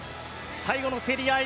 最後の競り合い